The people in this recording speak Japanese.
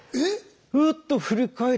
えっ